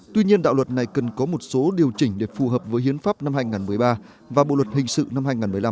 tuy nhiên đạo luật này cần có một số điều chỉnh để phù hợp với hiến pháp năm hai nghìn một mươi ba và bộ luật hình sự năm hai nghìn một mươi năm